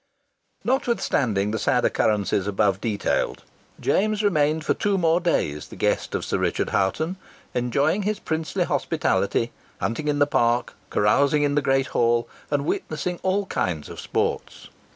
Notwithstanding the sad occurrences above detailed, James remained for two more days the guest of Sir Richard Hoghton, enjoying his princely hospitality, hunting in the park, carousing in the great hall, and witnessing all kinds of sports.